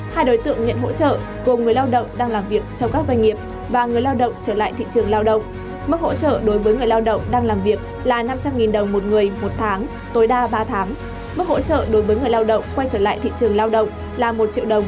hai đối tượng nhận hỗ trợ gồm người lao động đang làm việc trong các doanh nghiệp và người lao động trở lại thị trường lao động